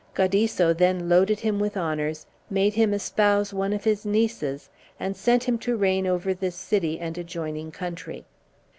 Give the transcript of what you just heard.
Gaudisso then loaded him with honors, made him espouse one of his nieces, and sent him to reign over this city and adjoining country.